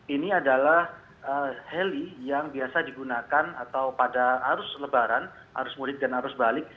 ini adalah heli yang biasa digunakan atau pada arus lebaran arus mudik dan arus balik